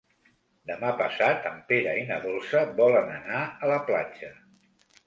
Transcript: Demà passat en Pere i na Dolça volen anar a la platja.